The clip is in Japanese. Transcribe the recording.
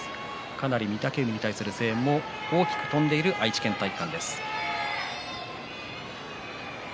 かなり御嶽海に対する声援も大きく上がっている愛知県体育館です。